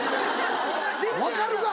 分かるか！